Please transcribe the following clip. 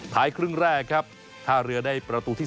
ท้ายครึ่งแรกครับท่าเรือได้ประตูที่๑